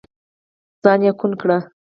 ځان يې کوڼ کړ.